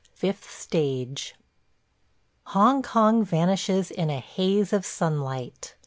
FIFTH STAGE HONG KONG vanishes in a haze of sunlight.